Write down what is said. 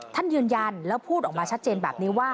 ท่านยืนยันแล้วพูดออกมาชัดเจนแบบนี้ว่า